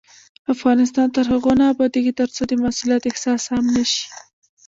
افغانستان تر هغو نه ابادیږي، ترڅو د مسؤلیت احساس عام نشي.